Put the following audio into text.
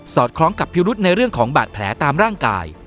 คล้องกับพิรุธในเรื่องของบาดแผลตามร่างกาย